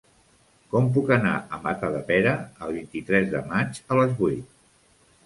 Com puc anar a Matadepera el vint-i-tres de maig a les vuit?